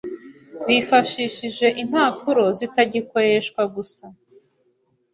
bifashishije impapuro zitagikoreshwa gusa